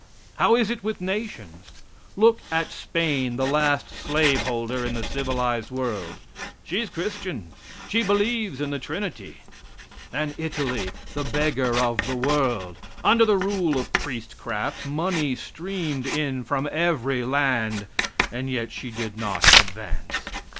How is it with nations? Look at Spain, the last slave holder in the civilized world; she's christian, she believes in the trinity! And Italy, the beggar of the world. Under the rule of priestcraft money streamed in from every land and yet she did not advance.